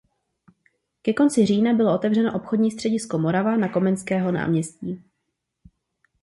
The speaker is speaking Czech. Ke konci října bylo otevřeno obchodní středisko "Morava" na Komenského náměstí.